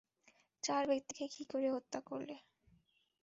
চার ব্যক্তিকে কি করে হত্যা করলে?